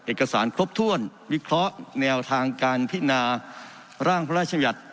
เอกสารครบถ้วนวิเคราะห์แนวทางการพินาร่างพระราชยัติ